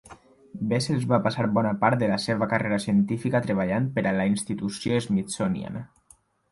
Bessels va passar bona part de la seva carrera científica treballant per a la institució Smithsonian.